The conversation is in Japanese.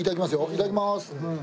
いただきます。